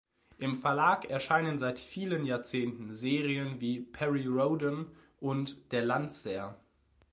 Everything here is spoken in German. Im Verlag erscheinen seit vielen Jahrzehnten Serien wie "Perry Rhodan" und "Der Landser".